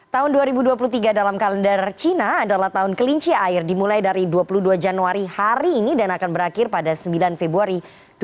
tahun dua ribu dua puluh tiga dalam kalender cina adalah tahun kelinci air dimulai dari dua puluh dua januari hari ini dan akan berakhir pada sembilan februari dua ribu dua puluh